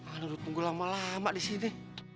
aduh tunggu lama lama disini